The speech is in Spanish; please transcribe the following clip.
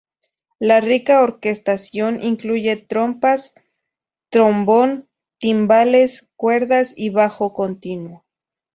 La rica orquestación incluye trompas, trombón, timbales, cuerdas y bajo continuo.